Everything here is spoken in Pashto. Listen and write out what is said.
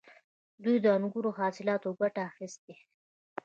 دوی د انګورو له حاصلاتو ګټه اخیسته